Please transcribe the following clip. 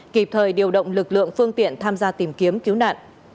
kịp thời điều động lực lượng phương tiện tham gia tìm kiếm cứu nạn